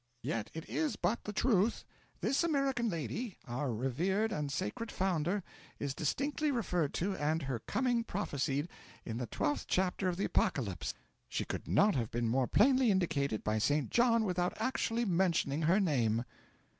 Yet it is but the truth. This American lady, our revered and sacred founder, is distinctly referred to and her coming prophesied, in the twelfth chapter of the Apocalypse; she could not have been more plainly indicated by St. John without actually mentioning her name.'